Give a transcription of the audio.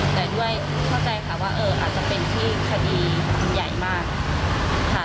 แต่ด้วยเข้าใจค่ะว่าอาจจะเป็นที่คดีใหญ่มากค่ะ